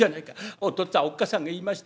おとっつぁんおっかさんが言いました。